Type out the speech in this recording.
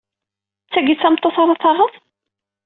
D tagi i d tameṭṭut ara taɣeḍ?